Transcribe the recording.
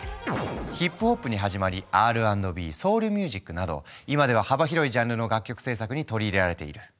ヒップホップに始まりＲ＆Ｂソウルミュージックなど今では幅広いジャンルの楽曲制作に取り入れられている。